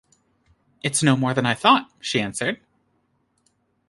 “It’s no more than I thought,” she answered.